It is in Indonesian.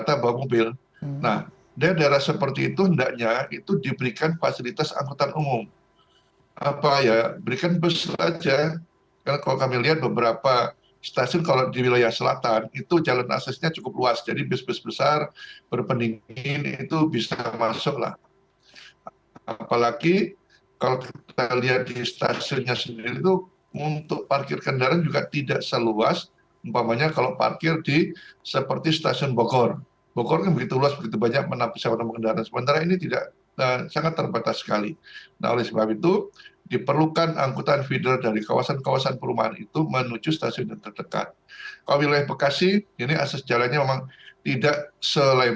tapi jangan menggunakan angkot angkot yang lama angkot angkot yang ada itu nanti harusnya diorganisir berbadan hukum sehingga mudah dikendalikan